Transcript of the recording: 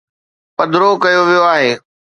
پڌرو ڪيو ويو آهي.